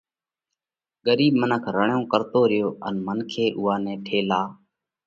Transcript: ڳرِيٻ منک رڙيون ڪرتو ريو ان منکي اُوئا نئہ ٺيلا